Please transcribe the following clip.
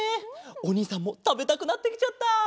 おにいさんもたべたくなってきちゃった。